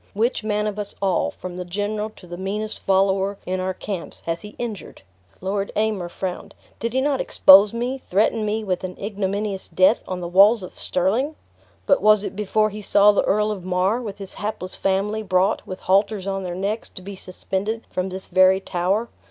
Which man of us all, from the general to the meanest follower in our camps, has he injured?" Lord Aymer frowned. "Did he not expose me, threaten me with an ignominious death, on the walls of Stirling?" "But was it before he saw the Earl of Mar, with his hapless family, brought, with halters on their necks, to be suspended from this very tower?